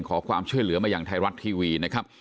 ขอความช่วยเหลือมาอย่างไทยรัฐทีวีนะครับ